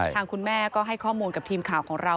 คุณแม่ก็ให้ข้อมูลกับทีมข่าวของเรา